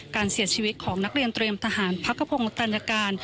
การเสียชีวิตของนักเรียนเตรียมทหารพักขพงศ์ตัญญาการ